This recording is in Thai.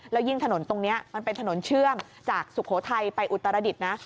แล้วยิ่งถนนตรงนี้มันเป็นถนนเชื่อมจากสุโขทัยไปอุตรดิษฐ์นะ